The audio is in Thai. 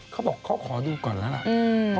เขาบอกเขาขอดูก่อนแล้วล่ะ